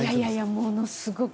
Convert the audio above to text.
ものすごく！